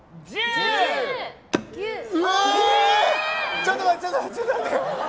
ちょっと待ってちょっと待って。